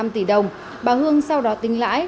năm tỷ đồng bà hương sau đó tính lãi